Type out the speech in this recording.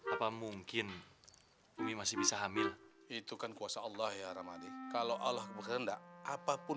apa mungkin bumi masih bisa hamil itu kan kuasa allah ya ramadhani kalau allah enggak apapun